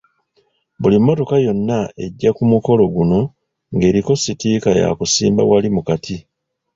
Buli mmotoka yonna ejja ku mukolo guno ng'eriko sitiika yakusimba wali mu kati.